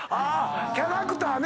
キャラクターね。